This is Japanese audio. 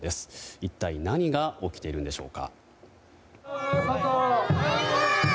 一体何が起きているんでしょうか？